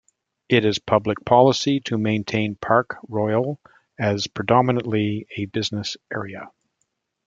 It is public policy to maintain Park Royal as predominantly a business area.